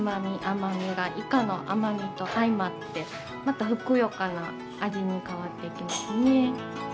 甘みがイカの甘みと相まってまたふくよかな味に変わっていきますね。